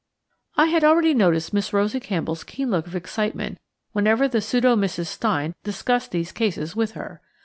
I had already noticed Miss Rosie Campbell's keen look of excitement whenever the pseudo Mrs. Stein discussed these cases with her.